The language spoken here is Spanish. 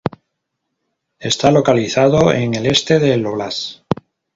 Está localizado en el este del óblast.